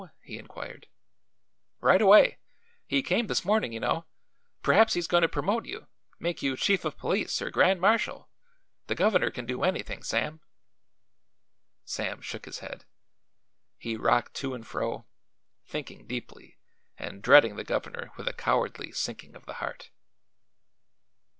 he inquired. "Right away. He came this morning, you know. Perhaps he's goin' to promote you; make you Chief of Police or Grand Marshal. The governor can do anything, Sam." Sam shook his head. He rocked to and fro, thinking deeply and dreading the governor with a cowardly sinking of the heart.